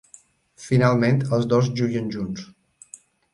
Finalment, els dos juguen junts.